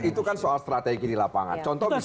itu kan soal strategi di lapangan